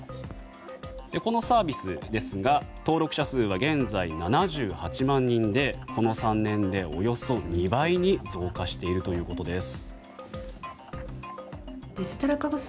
このサービスですが登録者数は現在７８万人でこの３年でおよそ２倍に増加しているということです。